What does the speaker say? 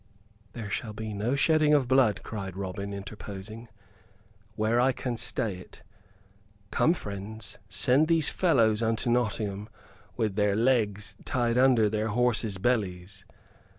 "There shall be no shedding of blood," cried Robin, interposing, "where I can stay it. Come, friends, send these fellows unto Nottingham with their legs tied under their horses' bellies.